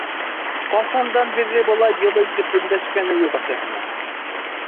Ҡасандан бирле былай йылы итеп өндәшкәне юҡ әсәһенә?